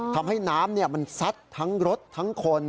อ๋อทำให้น้ำเนี้ยมันซัดทั้งรถทั้งคน